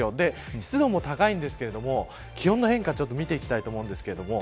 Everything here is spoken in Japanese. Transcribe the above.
湿度も高いんですけど気温の変化、見ていきたいと思うんですけれども。